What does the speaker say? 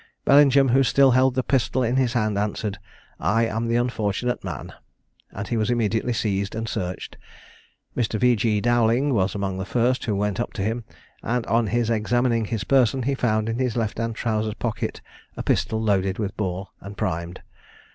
Bellingham, who still held the pistol in his hand, answered, "I am the unfortunate man," and he was immediately seized and searched. Mr. V. G. Dowling was among the first who went up to him; and on his examining his person, he found in his left hand trousers pocket a pistol loaded with ball and primed.